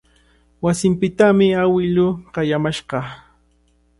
Wasinpitami awiluu qayamashqa.